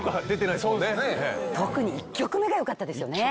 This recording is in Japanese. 特に１曲目がよかったですよね。